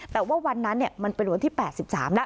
แต่ว่าวันนั้นมันเป็นวันที่๘๓แล้ว